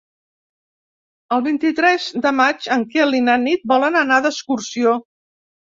El vint-i-tres de maig en Quel i na Nit volen anar d'excursió.